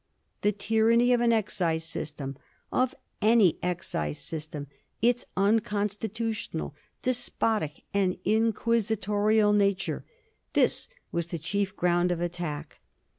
The tyranny of an excise system, of any excise system, its unconstitutional, despotic, and inquisitorial nature — ^this was the chief ground of attack.